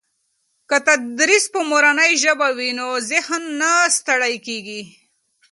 که تدریس په مورنۍ ژبه وي نو ذهن نه ستړي کېږي.